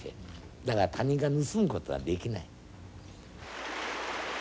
だから他人が盗むことはできない。